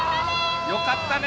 よかったね。